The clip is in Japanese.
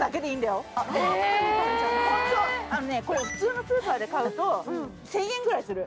あのねこれ普通のスーパーで買うと１，０００円ぐらいする。